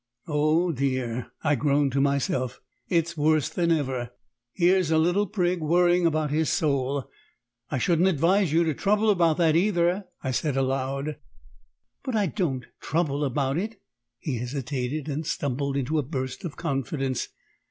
"Oh dear!" I groaned to myself. "It's worse than ever: here's a little prig worrying about his soul. I shouldn't advise you to trouble about that, either," I said aloud. "But I don't trouble about it." He hesitated, and stumbled into a burst of confidence.